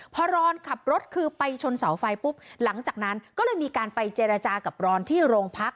พอรอนขับรถคือไปชนเสาไฟปุ๊บหลังจากนั้นก็เลยมีการไปเจรจากับรอนที่โรงพัก